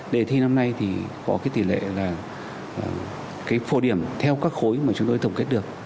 đề thi năm nay thì có cái tỷ lệ là cái phổ điểm theo các khối mà chúng tôi tổng kết được